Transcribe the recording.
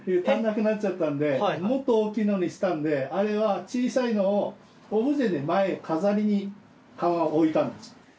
足んなくなっちゃったんでもっと大きいのにしたんであれは小さいのをオブジェで前に飾りに置いたんです。